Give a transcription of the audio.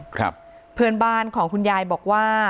เพื่อนบ้านของคุณยายบอกว่า